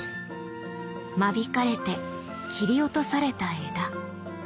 間引かれて切り落とされた枝。